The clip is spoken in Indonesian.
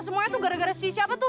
semuanya tuh gara gara si siapa tuh